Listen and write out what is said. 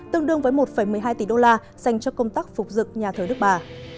tương đương với một một mươi hai tỷ đô la dành cho công tác phục dựng nhà thờ đức bà